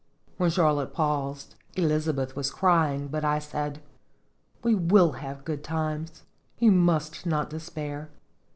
" When Charlotte paused, Elizabeth was cry ing, but I said: " We will have good times. You must not despair.